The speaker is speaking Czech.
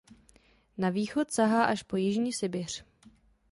Na východ sahá až po jižní Sibiř.